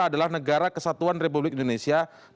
adalah negara kesatuan republik indonesia